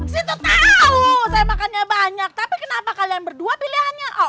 situ tau saya makannya banyak tapi kenapa kalian berdua pilihannya